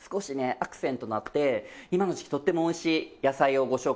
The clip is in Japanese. アクセントになって今の時期とってもおいしい野菜をご紹介したいと思います。